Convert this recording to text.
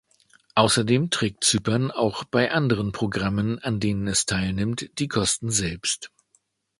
Außerdem trägt Zypern auch bei anderen Programmen, an denen es teilnimmt, die Kosten selbst.